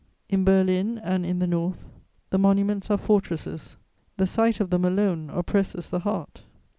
In Berlin and in the North, the monuments are fortresses; the sight of them alone oppresses the heart.